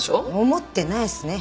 思ってないっすね。